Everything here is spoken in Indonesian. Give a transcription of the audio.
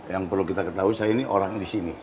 yang perlu kita ketahui saya ini orang di sini